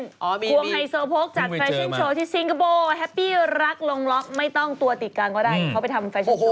ควงไฮโซโพกจากแฟชั่นโชว์ที่ซิงคโปร์แฮปปี้รักลงล็อกไม่ต้องตัวติดกันก็ได้เขาไปทำแฟชั่น